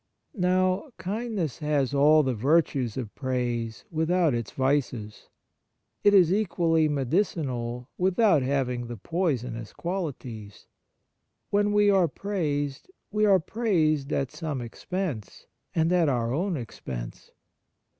Now, kindness has all the virtues of praise without its vices. It is equally medicinal without ha^■ing the poisonous qualities. When we are praised, we are praised at some expense, and at our own expense.